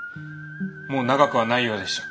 もう長くはないようでした。